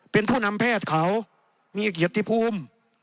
เป็นผู้นำแพทย์เขามีเกียรติภูมิ